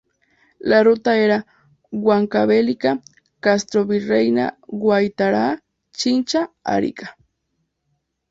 La ruta era: Huancavelica, Castrovirreyna, Huaytará, Chincha, Arica.